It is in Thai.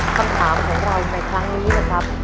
คำถามของเราในครั้งนี้นะครับ